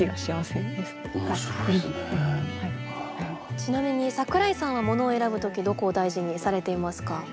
ちなみに櫻井さんはものを選ぶ時どこを大事にされていますか？